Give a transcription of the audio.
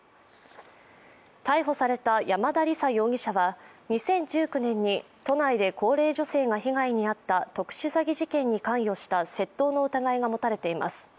逮捕された山田李沙容疑者は２０１９年に都内で高齢女性が被害に遭った特殊詐欺事件に関与した窃盗の疑いが持たれています。